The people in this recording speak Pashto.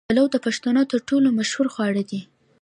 پلو د پښتنو تر ټولو مشهور خواړه دي.